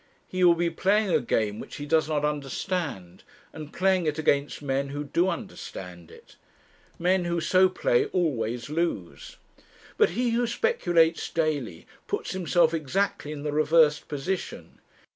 He will be playing a game which he does not understand, and playing it against men who do understand it. Men who so play always lose. But he who speculates daily puts himself exactly in the reversed position.